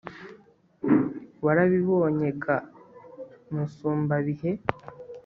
warabibonye ga musumbabihe,